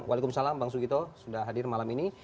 waalaikumsalam bang sugito sudah hadir malam ini